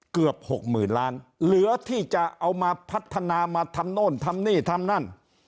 เกือบหกหมื่นล้านเหลือที่จะเอามาพัฒนามาทำโน่นทำนี่ทำนั่น